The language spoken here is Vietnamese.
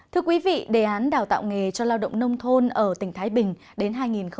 thưa quý vị đề án đào tạo nghề cho lao động nông thôn ở tỉnh thái bình đến hai nghìn hai mươi